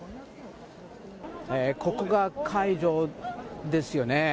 ここが会場ですよね。